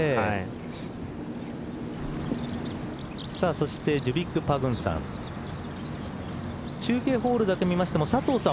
そしてジュビック・パグンサン中継ホールだけ見ても佐藤さん